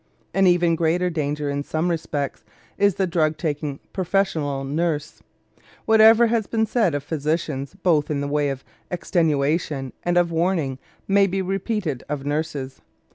An even greater danger, in some respects, is the drug taking professional nurse. Whatever has been said of physicians both in the way of extenuation and of warning may be repeated of nurses.